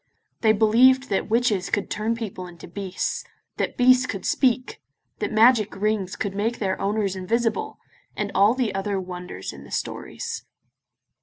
They believed that witches could turn people into beasts, that beasts could speak, that magic rings could make their owners invisible, and all the other wonders in the stories.